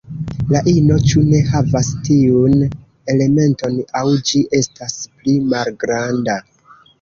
La ino ĉu ne havas tiun elementon aŭ ĝi estas pli malgranda.